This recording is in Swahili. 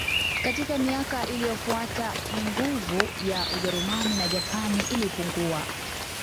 Katika miaka iliyofuata nguvu ya Ujerumani na Japani ilipungua